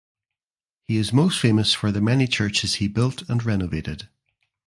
He is most famous for the many churches he built and renovated.